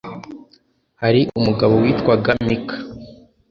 hari umugabo witwaga mika.